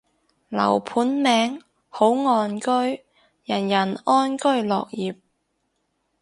樓盤名，好岸居，人人安居樂業